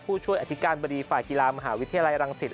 ผู้ช่วยอธิการบดีฝ่ายกีฬามหาวิทยาลัยรังสิต